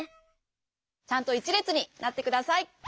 ちゃんと１れつになってください。